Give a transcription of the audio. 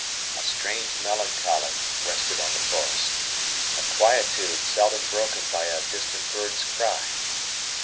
A strange melancholy rested on the forest, a quietude seldom broken by a distant bird's cry.